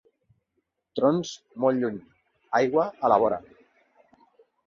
Trons molt lluny, aigua a la vora.